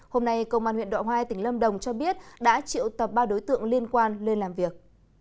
hôm nay công an huyện đọa hoai tỉnh lâm đồng cho biết đã triệu tập ba đối tượng liên quan lên làm việc